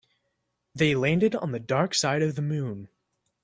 They landed on the dark side of the moon.